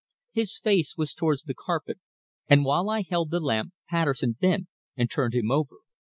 His face was towards the carpet, and while I held the lamp, Patterson bent and turned him over.